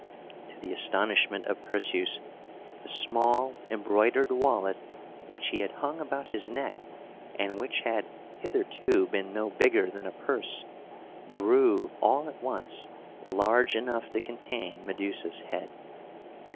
To the astonishment of Perseus, the small, embroidered wallet, which he had hung about his neck, and which had hitherto been no bigger than a purse, grew all at once large enough to contain Medusa's head.